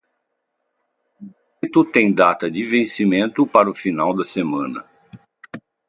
O boleto tem data de vencimento para o final da semana